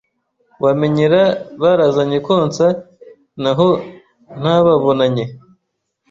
Wamenyera barazanye konsa naho ntababonanye